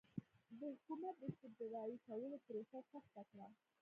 د حکومت د استبدادي کولو پروسه سخته کړه.